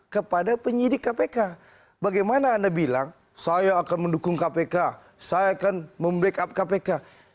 kepada penyidik kpk bagaimana anda bilang saya akan mendukung kpk saya akan membackup kpk